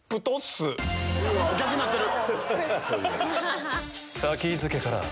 逆になってる！